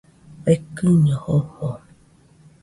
Fekɨño jofo.